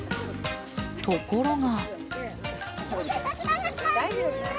ところが。